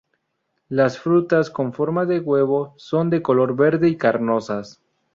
Las frutas con forma de huevo son de color verde y carnosas.